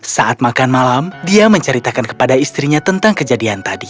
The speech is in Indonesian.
saat makan malam dia menceritakan kepada istrinya tentang kejadian tadi